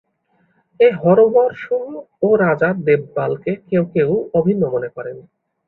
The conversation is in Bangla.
এ হরবর্ষ ও রাজা দেবপালকে কেউ কেউ অভিন্ন মনে করেন।